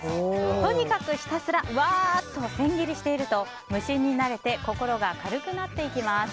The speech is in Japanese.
とにかくひたすらわーっと千切りしていると無心になれて心が軽くなっていきます。